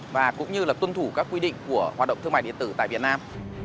và cũng như là tuân thủ các quy định của hoạt động thương mại điện tử tại việt nam